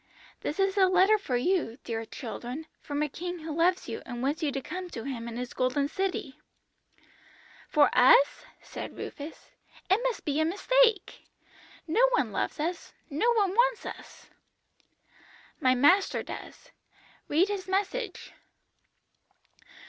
"'This is a letter for you, dear children, from a King who loves you, and wants you to come to Him in His Golden City.' "'For us?' said Rufus; 'it must be a mistake. No one loves us, no one wants us.' "'My Master does. Read His message.'